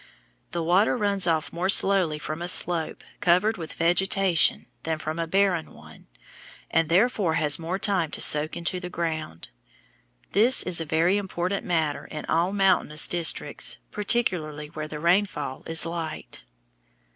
The water runs off more slowly from a slope covered with vegetation than from a barren one, and therefore has more time to soak into the ground. This is a very important matter in all mountainous districts, particularly where the rainfall is light.